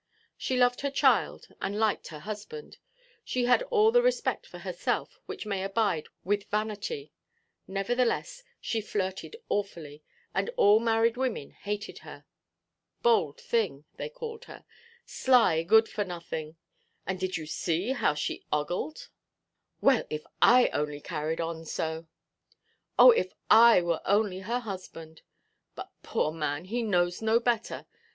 She loved her child, and liked her husband, and had all the respect for herself which may abide with vanity. Nevertheless she flirted awfully, and all married women hated her. "Bold thing," they called her, "sly good–for–nothing; and did you see how she ogled? Well, if I only carried on so! Oh, if I were only her husband! But, poor man, he knows no better.